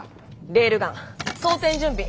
レールガン装填準備。